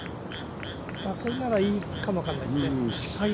ここならいいかも分かんないですね。